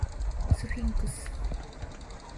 スフィンクス